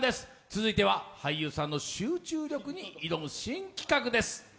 続いては俳優さんの集中力に挑む新企画です。